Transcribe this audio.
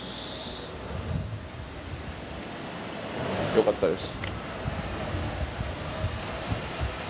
よかったです。